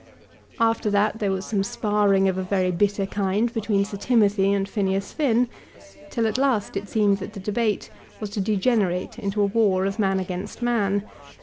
After that there was some sparring of a very bitter kind between Sir Timothy and Phineas Finn, till at last it seemed that the debate was to degenerate into a war of man against man.